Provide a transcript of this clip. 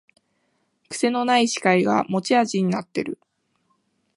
くせのない司会が持ち味になってる